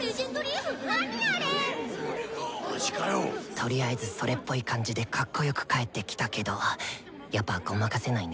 とりあえずそれっぽい感じでカッコよく帰ってきたけどやっぱごまかせないね。